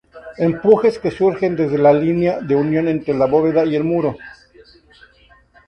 Empujes que surgen desde la línea de unión entre la bóveda y el muro.